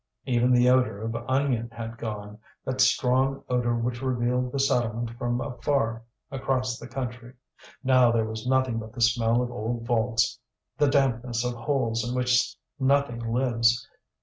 Even the odour of onion had gone, that strong odour which revealed the settlement from afar across the country; now there was nothing but the smell of old vaults, the dampness of holes in which nothing lives.